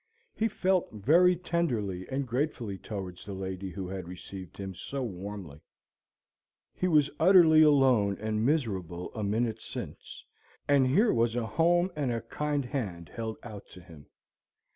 He felt very tenderly and gratefully towards the lady who had received him so warmly. He was utterly alone and miserable a minute since, and here was a home and a kind hand held out to him.